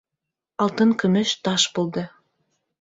Алтын-көмөш таш булды.